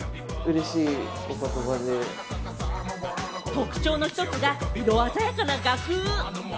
特徴の一つが色鮮やかな画風。